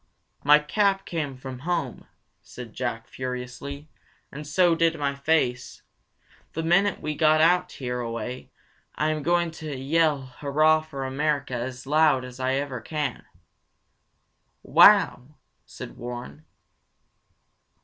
"My cap came from home," said Jack furiously, "and so did my face! The minute we get out here a way, I am going to yell Hurrah for America as loud as ever I can." "Wow!" said Warren.